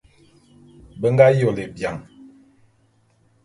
Be nga yôle bian.